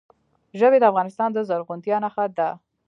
ژبې د افغانستان د زرغونتیا نښه ده.